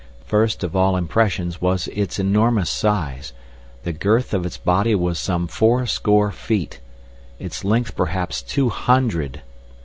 First of all impressions was its enormous size; the girth of its body was some fourscore feet, its length perhaps two hundred.